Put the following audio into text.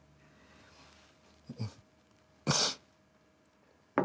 うん。